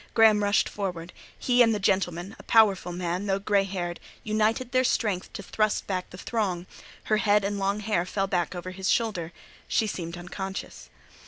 Graham rushed forwards; he and the gentleman, a powerful man though grey haired, united their strength to thrust back the throng; her head and long hair fell back over his shoulder: she seemed unconscious.